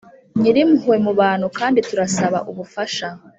Nyirimpuhwe mu bantu kandi turasaba ubufasha